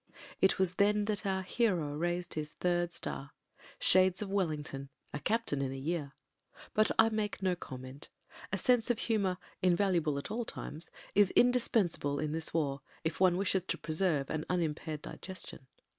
It was then that our hero raised his third star. Shades of Wellington! A captain in a year. But I make no comment. A sense of humour, invaluable at all times, is indispensable in this war, if one wishes to preserve an unimpaired digestion.